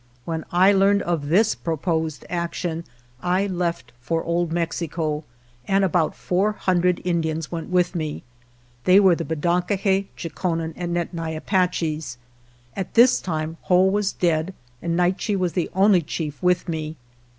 When I learned of this pro posed action I left for Old Mexico, and about four hundred Indians went with me. They were the Bedonkohe, Chokonen, and Nedni Apaches. At this time Whoa was dead, and Naiche was the only chief with me.